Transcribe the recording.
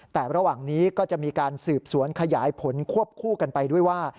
แต่ระหว่างนี้ก็จะมีการสืบสวนขยายผลควบคู่กันไปด้วยว่า